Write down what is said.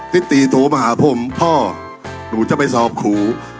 ติติโถมหาพ่มพ่อหนูจะไปสอบครูนะฮะ